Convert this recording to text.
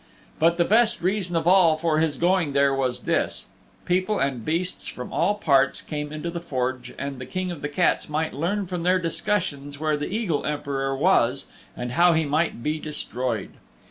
But the best reason of all for his going there was this: people and beasts from all parts came into the forge and the King of the Cats might learn from their discussions where the Eagle Emperor was and how he might be destroyed.